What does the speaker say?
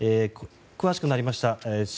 詳しくなりました。